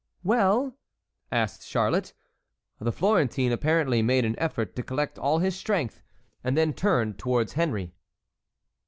"Well?" asked Charlotte. The Florentine apparently made an effort to collect all his strength, and then turned towards Henry.